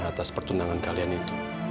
atas pertunangan kalian itu